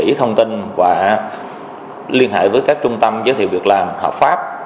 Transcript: tìm hiệu kỳ thông tin và liên hệ với các trung tâm giới thiệu việc làm hợp pháp